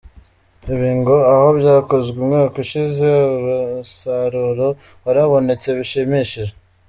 Ibi ngo aho byakozwe umwaka ushize, umusaruro warabonetse bishimishije.